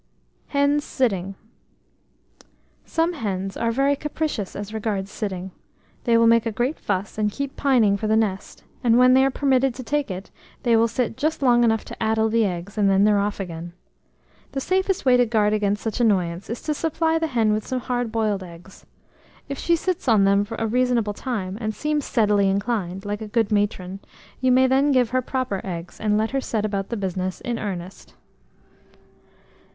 HENS SITTING. Some hens are very capricious as regards sitting; they will make a great fuss, and keep pining for the nest, and, when they are permitted to take to it, they will sit just long enough to addle the eggs, and then they're off again. The safest way to guard against such annoyance, is to supply the hen with some hard boiled eggs; if she sits on them a reasonable time, and seems steadily inclined, like a good matron, you may then give her proper eggs, and let her set about the business in earnest.